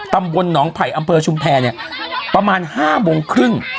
ตำบลหนองไผ่อำเภอชุมแพรเนี่ยประมาณ๕โมงครึ่ง